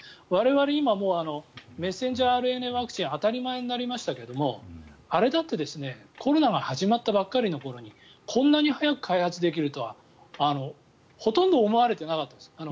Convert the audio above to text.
我々は今メッセンジャーＲＮＡワクチンが当たり前になりましたけどあれだってコロナが始まったばかりの頃にこんなに早く開発できるとはほとんど思われてなかったです。